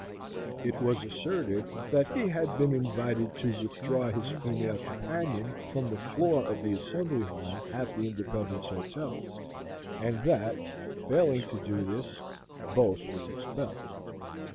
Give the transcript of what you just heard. It was asserted that he had been invited to withdraw his female companion from the floor of the Assembly Ball at the Independence Hotel, and that, failing to do this, both were expelled.